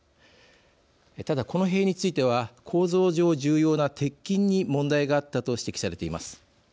ただ、この塀については構造上、重要な鉄筋に問題があったと指摘されています。